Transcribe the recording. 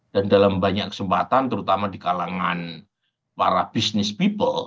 dan dalam banyak kesempatan terutama di kalangan para business people